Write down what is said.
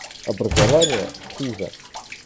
Образование — хуже.